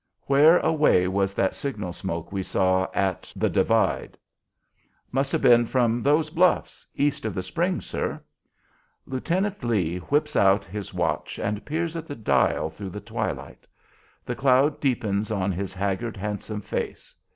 "Where away was that signal smoke we saw at the divide?" "Must have been from those bluffs east of the Springs, sir." Lieutenant Lee whips out his watch and peers at the dial through the twilight. The cloud deepens on his haggard, handsome face.